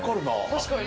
確かに。